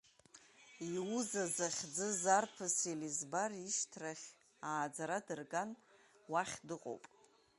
Иуза захьӡыз арԥыс Елизбар ишьҭрахь ааӡара дырган, уахь дыҟоуп.